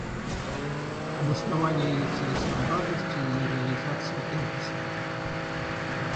Обоснование ее целесообразности, ее реализация и описание.